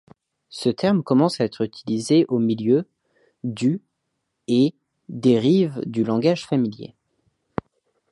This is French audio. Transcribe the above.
Ce terme commence à être utilisé au milieu du et dérive du langage familier.